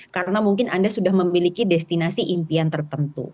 karena mungkin anda sudah memiliki destinasi impian tertentu